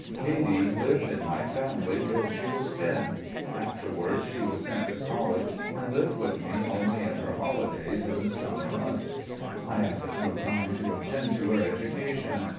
Katy lived in my family till she was ten. Afterwards she was sent to College and lived with me only in her holidays in the summer months. I had no time to attend to her education.